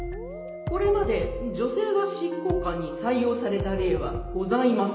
これまで女性が執行官に採用された例はございません。